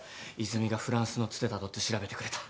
泉がフランスのつてたどって調べてくれた。